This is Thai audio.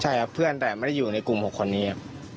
ใช่ครับเพื่อนแต่ไม่ได้อยู่ในกลุ่ม๖คนนี้ครับ